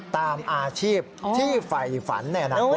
ตามอาชีพที่ไฝฝันแนะนำกฏเทศ